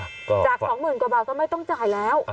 จาก๒๐๐๐๐กว่าบาทก็ไม่ต้องจ่ายแล้ว